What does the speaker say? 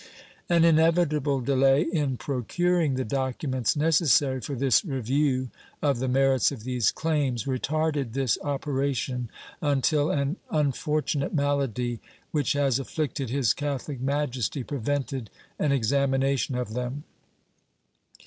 An inevitable delay in procuring the documents necessary for this review of the merits of these claims retarded this operation until an unfortunate malady which has afflicted His Catholic Majesty prevented an examination of them.